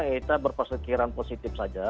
kita berpastukiran positif saja